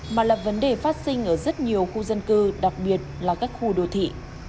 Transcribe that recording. mà là vấn đề phát sinh ở rất nhiều khu dân cư đặc biệt là các khu đô thị